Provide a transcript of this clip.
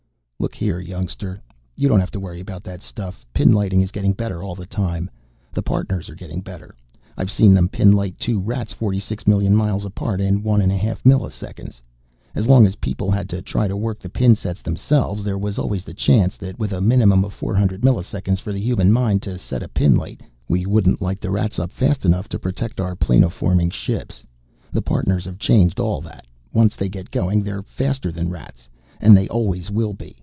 "Look here, youngster. You don't have to worry about that stuff. Pinlighting is getting better all the time. The Partners are getting better. I've seen them pinlight two Rats forty six million miles apart in one and a half milliseconds. As long as people had to try to work the pin sets themselves, there was always the chance that with a minimum of four hundred milliseconds for the human mind to set a pinlight, we wouldn't light the Rats up fast enough to protect our planoforming ships. The Partners have changed all that. Once they get going, they're faster than Rats. And they always will be.